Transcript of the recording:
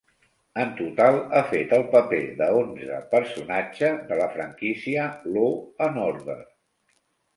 En total, ha fet el paper de onze personatge de la franquícia "Law and Order".